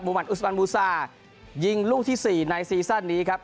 มันอุสมันบูซายิงลูกที่สี่ในซีซั่นนี้ครับ